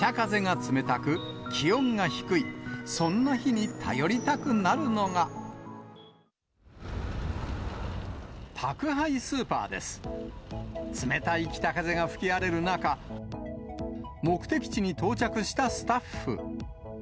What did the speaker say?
冷たい北風が吹き荒れる中、目的地に到着したスタッフ。